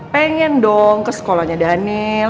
pengen dong ke sekolahnya daniel